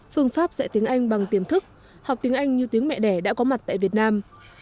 phương pháp dạy tiếng anh bằng tiềm thức học tiếng anh như tiếng mẹ đẻ đã có mặt tại việt nam